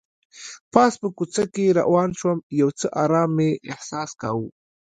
پاس په کوڅه کې روان شوم، یو څه ارام مې احساس کاوه.